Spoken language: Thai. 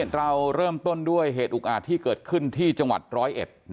เราเริ่มต้นด้วยเหตุอุกอาจที่เกิดขึ้นที่จังหวัดร้อยเอ็ด